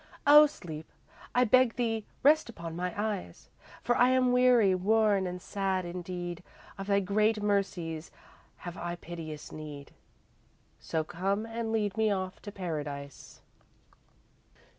O Sleep, I beg thee, rest upon my eyes, For I am weary, worn, and sad, indeed, Of thy great mercies have I piteous need So come and lead me off to Paradise."